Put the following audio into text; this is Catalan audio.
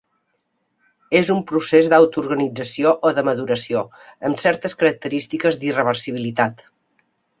És un procés d'autoorganització o de maduració, amb certes característiques d'irreversibilitat.